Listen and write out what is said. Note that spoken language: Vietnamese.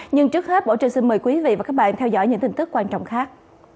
nhưng trước hết bỏ trên xin mời quý vị và các bạn theo dõi những tin tức quan trọng khác